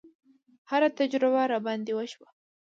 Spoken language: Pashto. هره تجربه راباندې وشوه.